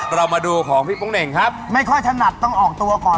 เรามาดูของพี่โป๊งเหน่งครับไม่ค่อยถนัดต้องออกตัวก่อน